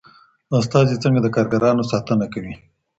استازي څنګه د کارګرانو ساتنه کوي؟